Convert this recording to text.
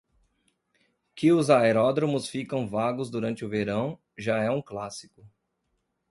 Que os aeródromos ficam vagos durante o verão, já é um clássico.